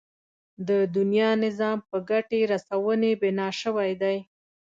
د دنيا نظام په ګټې رسونې بنا شوی دی.